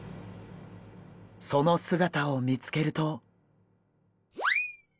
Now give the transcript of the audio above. その姿を見つけると。